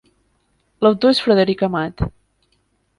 L'autor és Frederic Amat.